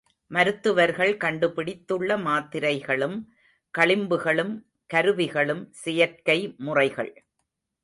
மருத்துவர்கள் கண்டுபிடித்துள்ள மாத்திரைகளும் களிம்புகளும் கருவிகளும் செயற்கை முறைகள்.